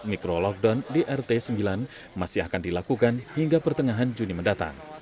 mikro lockdown di rt sembilan masih akan dilakukan hingga pertengahan juni mendatang